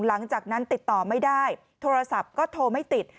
หลังจากนั้นติดต่อไม่ได้โทรศัพท์ก็โทรไม่ติด